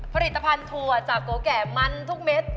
ผลิตภัณฑ์ถั่วจากโกแก่มันทุกเม็ด